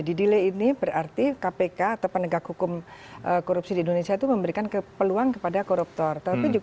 didilei ini berarti kpk atau penegak hukum korupsi di indonesia itu memberikan peluang kepada koruptor